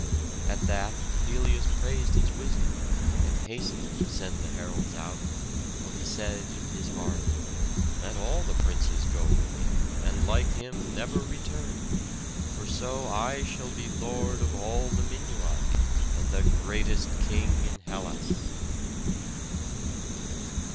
At that Pelias praised his wisdom, and hastened to send the heralds out; for he said in his heart: "Let all the princes go with him, and like him, never return; for so I shall be lord of all the Minuai, and the greatest king in Hellas."